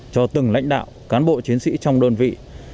cho từng lãnh đạo cán bộ chiến sĩ trong đơn vị